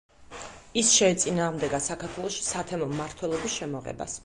ის შეეწინააღმდეგა საქართველოში სათემო მმართველობის შემოღებას.